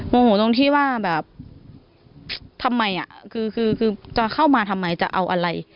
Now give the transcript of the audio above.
โมโหตรงที่ว่าแบบทำไมคือจะเข้ามาทำไมจะเอาอะไร